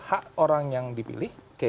hak orang yang dipilih